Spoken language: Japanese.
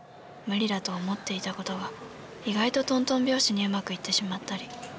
無理だと思っていたことが意外ととんとん拍子にうまくいってしまったり。